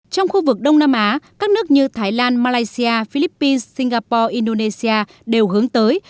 trong khu vực đông nam á các nước như thái lan malaysia philippines singapore indonesia đều hướng tới